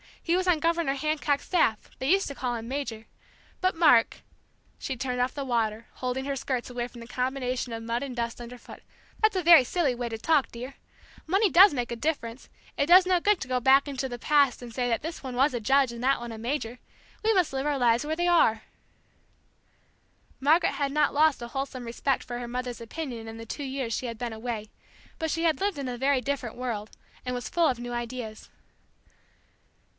He was on Governor Hancock's staff. They used to call him 'Major.' But Mark " she turned off the water, holding her skirts away from the combination of mud and dust underfoot, "that's a very silly way to talk, dear! Money does make a difference; it does no good to go back into the past and say that this one was a judge and that one a major; we must live our lives where we are!" Margaret had not lost a wholesome respect for her mother's opinion in the two years she had been away, but she had lived in a very different world, and was full of new ideas.